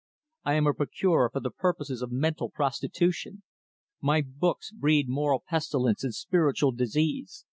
I am a procurer for the purposes of mental prostitution. My books breed moral pestilence and spiritual disease.